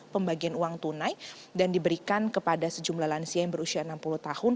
pembagian uang tunai dan diberikan kepada sejumlah lansia yang berusia enam puluh tahun